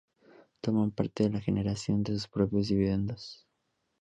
Toman parte en la generación de sus propios dividendos.